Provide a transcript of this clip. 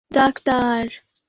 আমি আপনাদের দুইজনের ভক্ত।